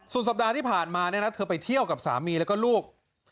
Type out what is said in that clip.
สัปดาห์ที่ผ่านมาเนี่ยนะเธอไปเที่ยวกับสามีแล้วก็ลูก